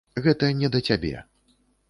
Гэта не да цябе.